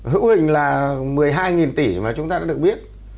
hữu hình là một mươi hai tỷ mà chúng ta đã được biết